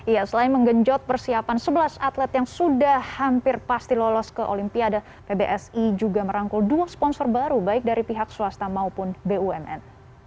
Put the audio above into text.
ya selain menggenjot persiapan sebelas atlet yang sudah hampir pasti lolos ke olimpiade pbsi juga merangkul dua sponsor baru baik dari pihak swasta maupun bumn